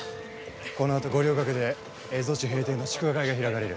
このあと、五稜郭で蝦夷地平定の祝賀会が開かれる。